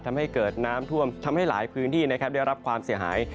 ทำให้เกิดน้ำท่วมทำให้หลายพื้นที่นะครับได้รับความเสียหาย